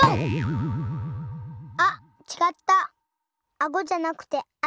あごじゃなくて頭！